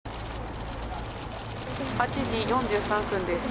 ８時４３分です。